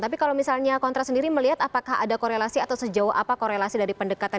tapi kalau misalnya kontra sendiri melihat apakah ada korelasi atau sejauh apa korelasi dari pendekatan